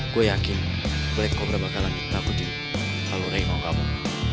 gue yakin black cobra bakalan ditakuti kalau rey mau kabur